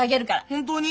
本当に？